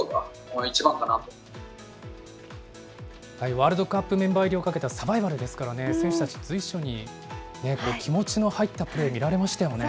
ワールドカップメンバー入りをかけたサバイバルですからね、選手たち、随所に気持ちの入ったプレー、見られましたよね。